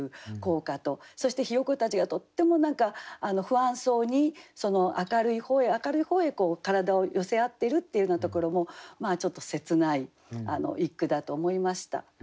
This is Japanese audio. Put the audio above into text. そしてひよこたちがとっても何か不安そうに明るい方へ明るい方へ体を寄せ合ってるっていうようなところもちょっと切ない一句だと思いました。